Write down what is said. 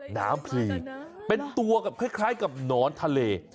หนามพลีเป็นตัวคล้ายกับหนอนทะเล